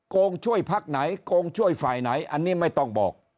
งช่วยพักไหนโกงช่วยฝ่ายไหนอันนี้ไม่ต้องบอก